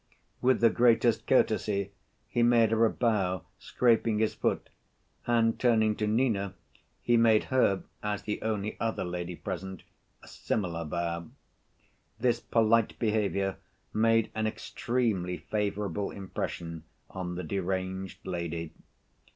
With the greatest courtesy he made her a bow, scraping his foot, and turning to Nina, he made her, as the only other lady present, a similar bow. This polite behavior made an extremely favorable impression on the deranged lady.